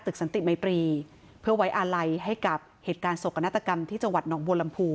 ตึกสนัขมัยตีเพื่อไว้อาลัยให้กับเหตุการณ์โศกกันตกรรมที่จังหวัดน้องโวลัมพูร์